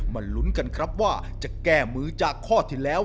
ลุ้นกันครับว่าจะแก้มือจากข้อที่แล้ว